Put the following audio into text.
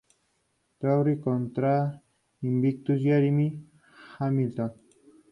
Terry contra invicto Jeremy Hamilton.